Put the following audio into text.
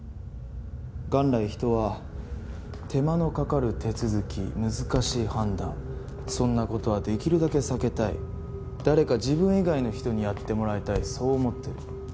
元来人は手間のかかる手続き難しい判断そんな事はできるだけ避けたい誰か自分以外の人にやってもらいたいそう思ってる。